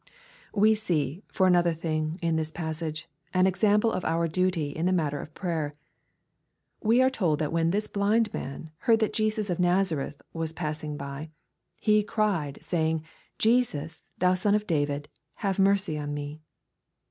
We see; for another thing, m this passage, an example of our duty in the matter of prayer. We are told that when this blind man heard that Jesus of Nazareth was passing by, he cried, saying, Jesus, thou Sou of David, have mercy on me.''